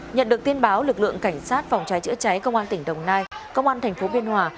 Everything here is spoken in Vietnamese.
nhận được tiên báo lực lượng cảnh sát phòng cháy chữa cháy công an tỉnh đồng nai công an tp biên hòa